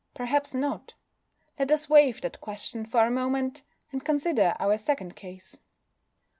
Perhaps not. Let us waive that question for a moment, and consider our second case.